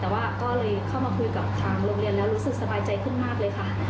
แต่ว่าก็เลยเข้ามาคุยกับทางโรงเรียนแล้วรู้สึกสบายใจขึ้นมากเลยค่ะ